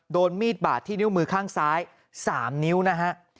โดนมีดบาดที่นิ้วมือข้างซ้าย๓นิ้วนะฮะ